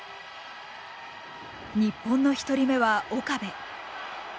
日本の１人目は岡部。